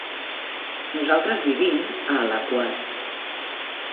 Nosaltres vivim a Alaquàs.